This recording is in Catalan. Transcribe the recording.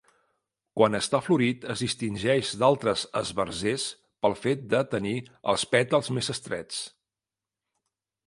Quan està florit es distingeix d'altres esbarzers pel fet de tenir els pètals més estrets.